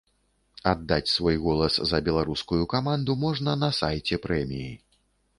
Аддаць свой голас за беларускую каманду можна на сайце прэміі.